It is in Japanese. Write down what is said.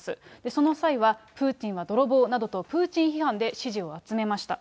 その際は、プーチンは泥棒などとプーチン批判で支持を集めました。